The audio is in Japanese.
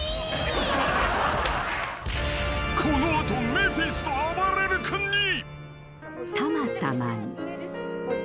［この後メフィストあばれる君に］